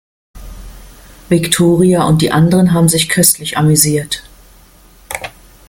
Viktoria und die anderen haben sich köstlich amüsiert.